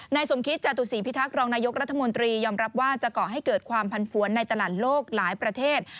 สมคิตจตุศีพิทักษ์รองนายกรัฐมนตรียอมรับว่าจะก่อให้เกิดความพันผวนในตลาดโลกหลายประเทศ